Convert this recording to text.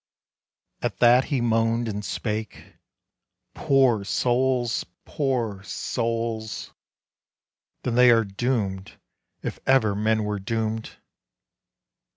At that he moaned and spake, "Poor souls! poor souls! Then they are doomed if ever men were doomed."